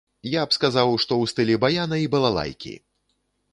Я б сказаў, што ў стылі баяна і балалайкі!